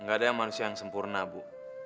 gak ada manusia yang sempurna bu